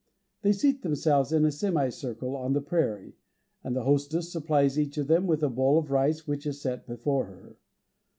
They seat themselves in a semi circle on the prairie, and the hostess supplies each of them with a bowl of rice which is set before her.